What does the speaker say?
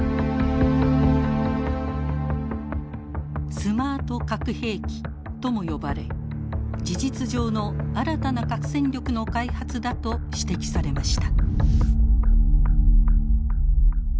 スマート核兵器とも呼ばれ事実上の新たな核戦力の開発だと指摘されました。